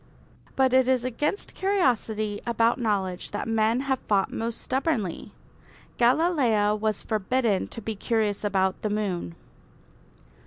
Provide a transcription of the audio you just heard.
But it is against curiosity about knowledge that men have fought most stubbornly. Galileo was forbidden to be curious about the moon.